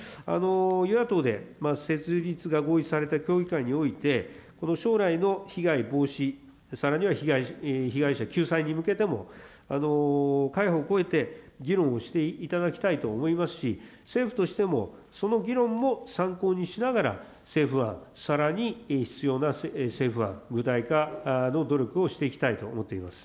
与野党で設立が合意された協議会において、この将来の被害防止、さらには被害者救済に向けても、会派を超えて議論をしていただきたいと思いますし、政府としてもその議論も参考にしながら、政府案、さらに必要な政府案、具体化の努力をしていきたいと思っています。